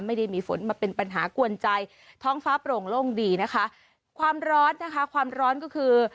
ไม่ได้มีฝนมาเป็นปัญหากวนใจท้องฟ้าโปร่งโล่งดีนะคะความร้อนนะคะความร้อนก็คือ